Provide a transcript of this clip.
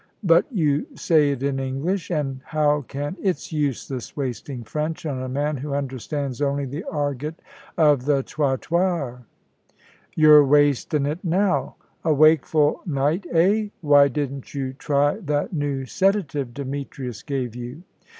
"But you say it in English, and how can ?" "It's useless wasting French on a man who understands only the argot of the trottoir." "You're wastin' it now. A wakeful night eh? Why didn't you try that new sedative Demetrius gave you?"